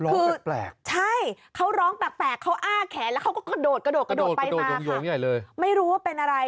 คือใช่เขาร้องแปลกเขาอ้ากแขนแล้วเขาก็กระโดดไปมาครับไม่รู้ว่าเป็นอะไร